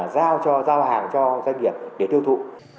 giao hàng cho doanh nghiệp để tiêu thụ